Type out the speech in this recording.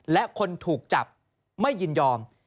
และคนถูกจับไม่ยินยอม